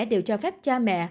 đều cho phép cha mẹ